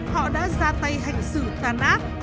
họ đã ra tay hành xử tàn ác